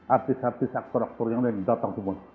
artis artis aktor aktor yang datang semua